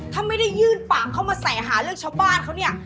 ถ้าไม่ได้ยื่นปากเข้ามาใส่หาเรื่องชาวบ้านเขาเนี่ย